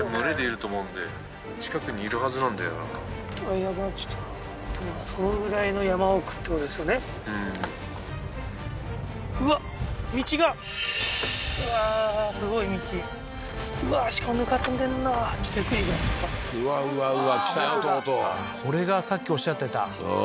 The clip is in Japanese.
とうとうこれがさっきおっしゃってた